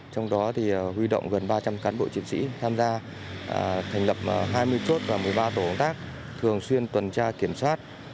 trong đó huy động gần ba trăm linh cán bộ chiến sĩ tham gia thành lập hai mươi chốt và một mươi ba tổ công tác thường xuyên tuần tra kiểm soát